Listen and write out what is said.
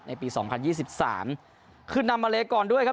ในปีสองพันยี่สิบสามคืนนำมาเลก่อนด้วยครับ